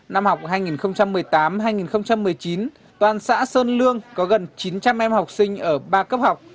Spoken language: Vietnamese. năm học hai nghìn một mươi tám hai nghìn một mươi chín toàn xã sơn lương có gần chín trăm linh em học sinh ở ba cấp học